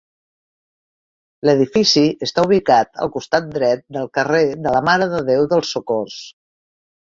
L'edifici està ubicat al costat dret del carrer de la Mare de Déu dels Socors.